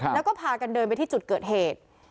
แล้วก็พากันเดินไปที่จุดเกิดเหตุ